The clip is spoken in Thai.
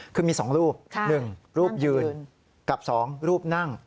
คือมี๒รูป๑รูปยืนกับ๒รูปนั่ง